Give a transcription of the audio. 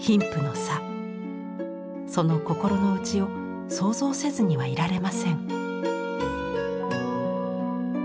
その心の内を想像せずにはいられません。